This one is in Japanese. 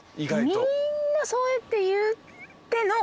みんなそうやって言っての。